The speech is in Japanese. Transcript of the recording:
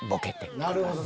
なるほど。